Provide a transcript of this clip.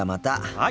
はい。